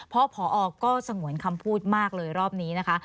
เพราะพอก็สงวนคำพูดมากเลยรอบนี้นะคะ